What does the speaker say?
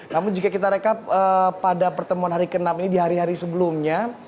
namun jika kita rekap pada pertemuan hari ke enam ini di hari hari sebelumnya